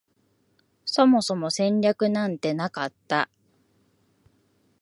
そもそも戦略なんてなかった